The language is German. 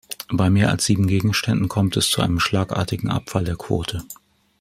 Bei mehr als sieben Gegenständen kommt es zu einem schlagartigen Abfall der Quote.